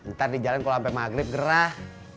ntar di jalan kalo sampe maghrib gerah